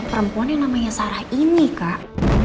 perempuan yang namanya sarah ini kak